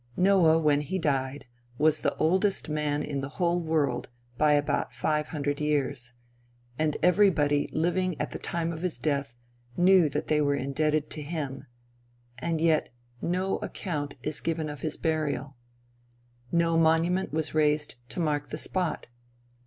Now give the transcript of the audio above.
Noah when he died, was the oldest man in the whole world by about five hundred years; and everybody living at the time of his death knew that they were indebted to him, and yet no account is given of his burial. No monument was raised to mark the spot.